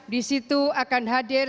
disitu akan hadir